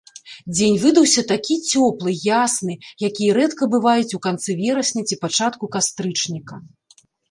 Дзень выдаўся такі цёплы, ясны, якія рэдка бываюць у канцы верасня ці пачатку кастрычніка.